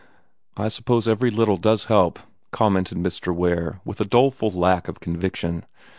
"I suppose every little does help," commented Mr. Ware, with a doleful lack of conviction.